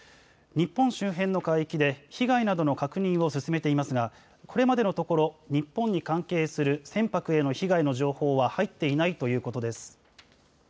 日本周辺の海域で被害などの確認を進めていますが、これまでのところ日本に関係する船舶への被害の情報は入っていないということです。